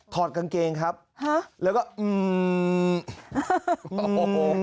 ถอดกางเกงครับแล้วก็อืมอืม